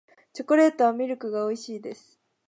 チョコレートはミルクが美味しいです